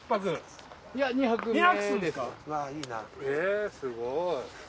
えすごい。